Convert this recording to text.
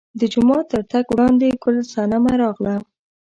د جومات تر تګ وړاندې ګل صنمه راغله.